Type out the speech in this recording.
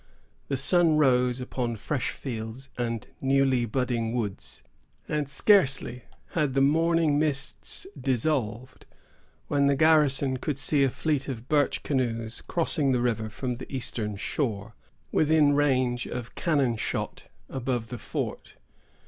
The sun rose upon fresh fields and newly budding woods, and scarcely had the morning mists dissolved, when the garrison could see a fleet of birch canoes crossing the river from the eastern shore, within range of cannon shot above the fort.